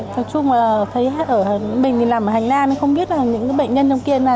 thật chung mình làm ở hà nội không biết những bệnh nhân trong kia